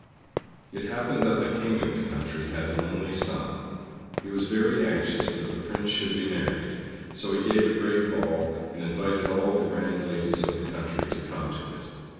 It happened that the King of the country had an only son. He was very anxious that the Prince should be married; so he gave a great ball, and invited all the grand ladies in the country to come to it.